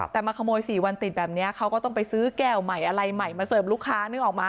แต่มาขโมย๔วันติดแบบนี้เขาก็ต้องไปซื้อแก้วใหม่อะไรใหม่มาเสิร์ฟลูกค้านึกออกมา